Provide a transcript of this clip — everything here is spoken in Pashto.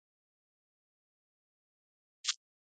ډیناسورونه اوس له منځه تللي دي